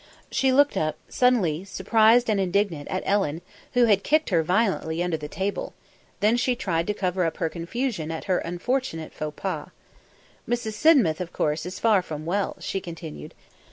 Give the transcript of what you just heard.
She looked up, suddenly, surprised and indignant, at Ellen, who had kicked her violently under the table; then she tried to cover up her confusion at her unfortunate faux pas. "Mrs. Sidmouth, of course, is far from well," she continued.